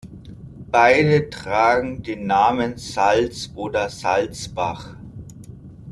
Beide tragen den Namen Salz oder Salzbach.